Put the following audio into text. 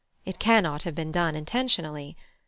It cannot have been done intentionally.